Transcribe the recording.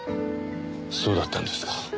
そうだったんですか。